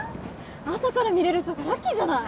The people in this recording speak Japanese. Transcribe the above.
朝から見れるとかラッキーじゃない？